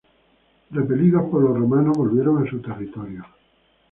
Repelidos por los romanos, volvieron a su territorio.